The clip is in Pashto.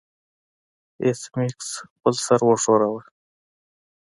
ایس میکس خپل سر وښوراوه